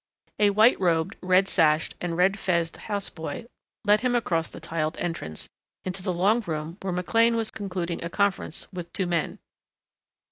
A white robed, red sashed and red fezed houseboy led him across the tiled entrance into the long room where McLean was concluding a conference with two men.